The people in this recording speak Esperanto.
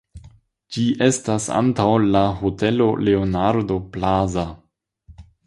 Ĝi estas antaŭ la Hotelo Leonardo Plaza.